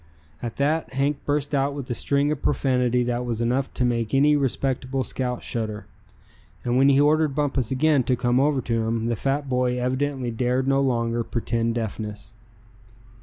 At that Hank burst out into a string of profanity that was enough to make any respectable scout shudder. And when he ordered Bumpus again to come over to him, the fat boy evidently dared no longer pretend deafness.